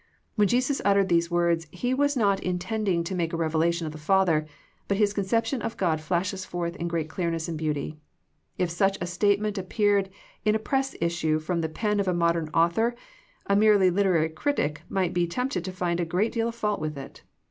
When Jesus uttered these words He was not in tending to make a revelation of the Father, but His conception of God flashes forth in great clearness and beauty. If such a statement ap peared in a press issue from the pen of a modern author, a merely literary critic might be tempted to find a great deal of fault with it.